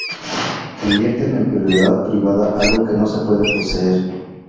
convierten en propiedad privada algo que no se puede poseer.